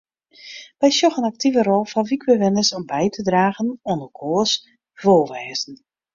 Wy sjogge in aktive rol foar wykbewenners om by te dragen oan inoars wolwêzen.